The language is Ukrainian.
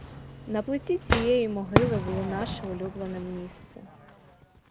На плиті цієї могили було наше улюблене місце.